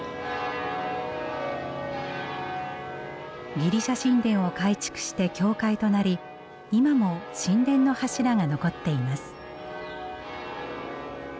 ギリシャ神殿を改築して教会となり今も神殿の柱が残っています。